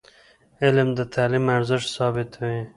علم د تعلیم ارزښت ثابتوي.